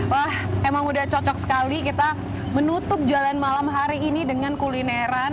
wah emang udah cocok sekali kita menutup jalan malam hari ini dengan kulineran